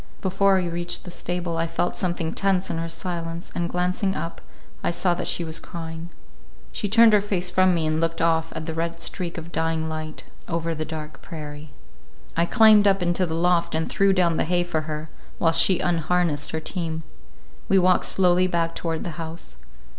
Before we reached the stable, I felt something tense in her silence, and glancing up I saw that she was crying. She turned her face from me and looked off at the red streak of dying light, over the dark prairie. I climbed up into the loft and threw down the hay for her, while she unharnessed her team. We walked slowly back toward the house.